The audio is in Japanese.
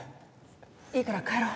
いいから帰ろ。